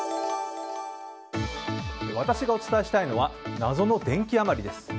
私がお伝えしたいのは謎の電気余りです。